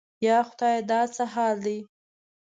یا خدایه دا څه حال دی؟